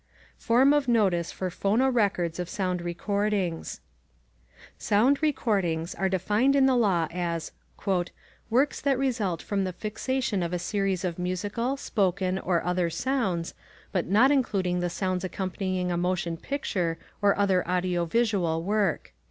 Form of Notice for Phonorecords of Sound Recordings* * Sound recordings are defined in the law as "works that result from the fixation of a series of musical, spoken, or other sounds, but not including the sounds accompanying a motion picture or other audiovisual work."